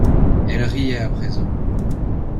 Elles riaient à présent.